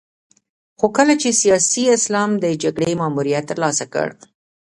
خو کله چې سیاسي اسلام د جګړې ماموریت ترلاسه کړ.